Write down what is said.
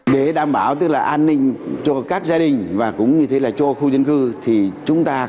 để đảm bảo tức là an ninh cho các gia đình và cũng như thế là cho khu dân cư